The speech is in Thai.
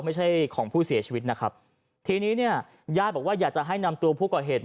ไม่ใช่ของผู้เสียชีวิตนะครับทีนี้เนี่ยญาติบอกว่าอยากจะให้นำตัวผู้ก่อเหตุ